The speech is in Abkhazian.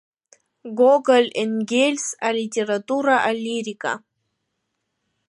Гоголь, Енгельс, алитература, алирика.